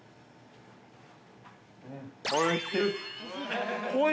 ◆おいしい！